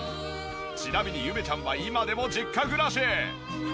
ちなみにゆめちゃんは今でも実家暮らし。